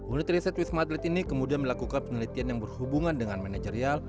unit riset wisma atlet ini kemudian melakukan penelitian yang berhubungan dengan manajerial